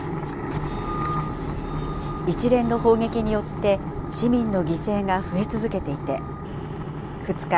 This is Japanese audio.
一連の砲撃によって市民の犠牲が増え続けていて、２日、